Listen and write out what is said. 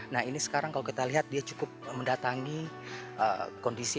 nah ini sekarang kalau kita lihat dia cukup mendatangi kondisi